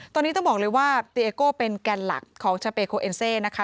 ตอนนี้ต้องบอกเลยว่าตีเอโก้เป็นแกนหลักของสเปโคเอ็นเซนะคะ